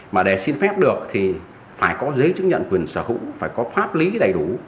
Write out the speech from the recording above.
mà để xin phép được thì phải có giấy chứng nhận quyền sở hữu phải có pháp lý đầy đủ